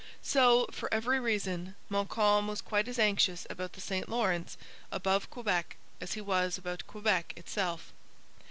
So, for every reason, Montcalm was quite as anxious about the St Lawrence above Quebec as he was about Quebec itself.